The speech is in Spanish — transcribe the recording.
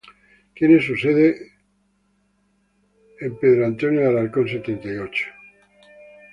Tiene su sede en el William B. Travis State Office Building en Austin.